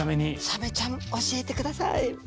サメちゃん教えてください。